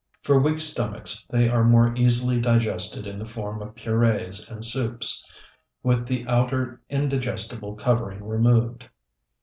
For weak stomachs they are more easily digested in the form of purees and soups, with the outer indigestible covering removed.